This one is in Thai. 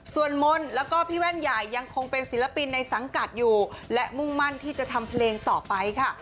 ส่วนมนต์แล้วก็พี่แว่นใหญ่ยังคงเป็นศิลปินในสังกัดอยู่และมุ่งมั่นที่จะทำเพลงต่อไปค่ะ